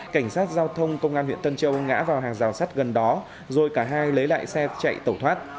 cảnh sát giao thông công an huyện tân châu ngã vào hàng rào sắt gần đó rồi cả hai lấy lại xe chạy tẩu thoát